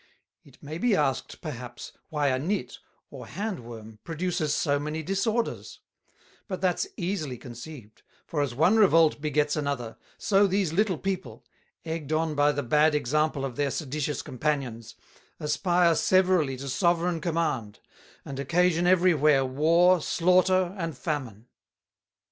It may be asked, perhaps, why a Nit, or Hand worm, produces so many disorders: But that's easily conceived, for as one Revolt begets another, so these little People, egg'd on by the bad Example of their Seditious Companions, aspire severally to Sovereign Command; and occasion every where War, Slaughter, and Famine.